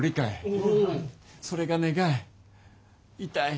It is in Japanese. それが願い痛い